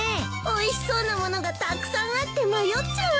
おいしそうな物がたくさんあって迷っちゃうわよ。